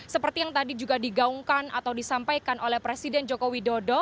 seperti yang tadi juga digaungkan atau disampaikan oleh presiden joko widodo